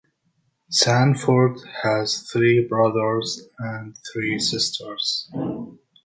Sanford has three brothers and three sisters.